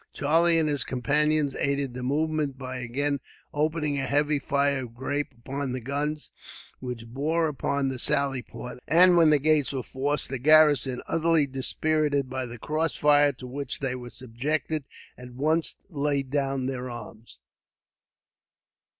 Charlie and his companions aided the movement, by again opening a heavy fire of grape upon the guns which bore upon the sally port; and when the gates were forced the garrison, utterly dispirited by the crossfire to which they were subjected, at once laid down their arms.